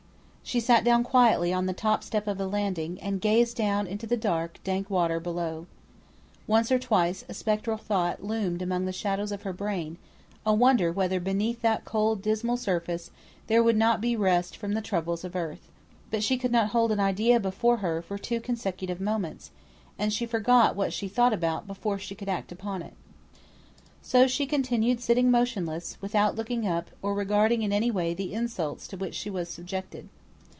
She sat down quietly on the top step of the landing, and gazed down into the dark, dank water below. Once or twice a spectral thought loomed among the shadows of her brain; a wonder whether beneath that cold dismal surface there would not be rest from the troubles of earth. But she could not hold an idea before her for two consecutive moments; and she forgot what she thought about before she could act upon it. So she continued sitting motionless, without looking up, or regarding in any way the insults to which she was subjected.